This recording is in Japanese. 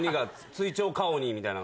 追徴課鬼みたいな。